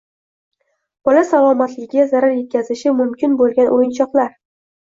Bola salomatligiga zarar yetkazishi mumkin bo‘lgan o‘yinchoqlar